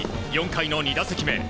４回の２打席目。